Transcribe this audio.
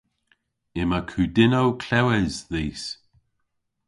Yma kudynnow klewes dhis.